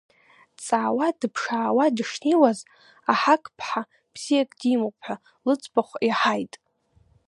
Дҵаауа дыԥшаауа дышнеиуаз, аҳак ԥҳа бзиак димоуп ҳәа лыӡбахә иаҳаит.